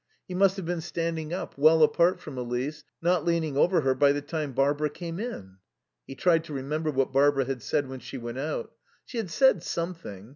He must have been standing up, well apart from Elise, not leaning over her by the time Barbara came in. He tried to remember what Barbara had said when she went out. She had said something.